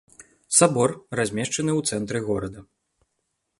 Сабор размешчаны ў цэнтры горада.